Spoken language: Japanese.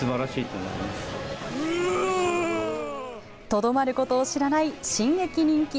とどまることを知らない進撃人気。